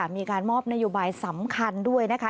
มีการมอบนโยบายสำคัญด้วยนะคะ